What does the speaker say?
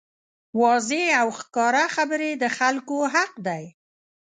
واضحې او ښکاره خبرې د خلکو حق دی.